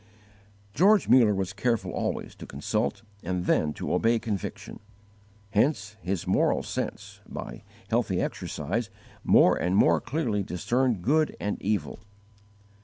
George Muller was careful always to consult and then to obey conviction. Hence his moral sense, by healthy exercise, more and more clearly discerned good and evil.